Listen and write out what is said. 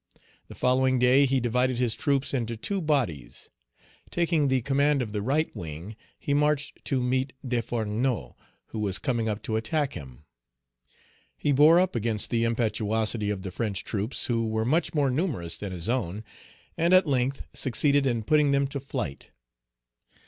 The following day, he divided his troops into two bodies. Taking the command of the right wing, he marched to meet Desfourneaux, who was coming up to attack him. He bore up against the impetuosity of the French troops, who were much more numerous than his own, and at length succeeded in putting them to flight.